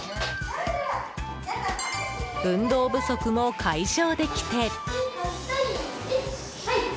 運動不足も解消できて。